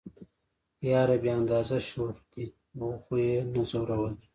يره بې اندازه شوخ دي وخو يې نه ځورولئ.